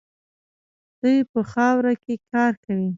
دوی په خاورو کې کار کوي.